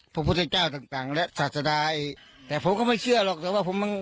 พระพุทธเจ้าต่างต่างและศาสดายแต่ผมก็ไม่เชื่อหรอกแต่ว่าผมมัน